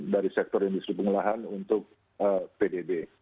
dari sektor industri pengolahan untuk pdb